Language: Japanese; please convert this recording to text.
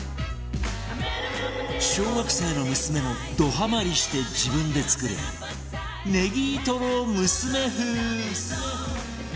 小学生の娘もどハマりして自分で作るねぎとろむすめ風